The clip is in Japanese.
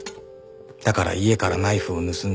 だから家からナイフを盗んで。